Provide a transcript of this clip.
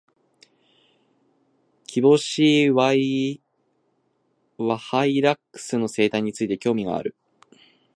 キボシイワハイラックスの生態について、興味がある。